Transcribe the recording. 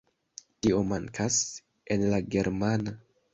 Tio mankas en la germana.